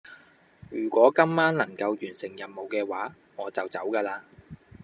如果今晚能夠完成任務嘅話，我就走架喇